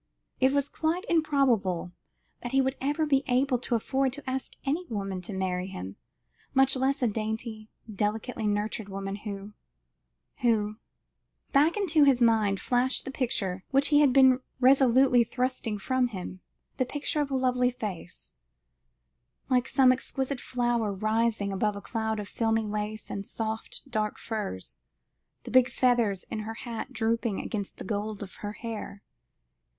It was quite improbable that he would ever be able to afford to ask any woman to marry him, much less a dainty, delicately nurtured woman who who Back into his mind flashed the picture which he had been resolutely thrusting from him, the picture of a lovely face, like some exquisite flower rising above a cloud of filmy lace and soft dark furs, the big feathers in her hat drooping against the gold of her hair.